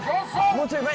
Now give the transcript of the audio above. もうちょい前。